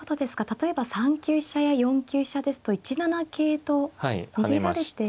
例えば３九飛車や４九飛車ですと１七桂と逃げられて。